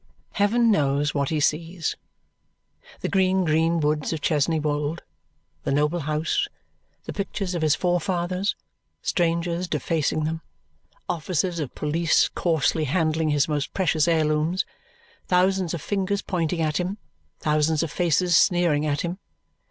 Heaven knows what he sees. The green, green woods of Chesney Wold, the noble house, the pictures of his forefathers, strangers defacing them, officers of police coarsely handling his most precious heirlooms, thousands of fingers pointing at him, thousands of faces sneering at him.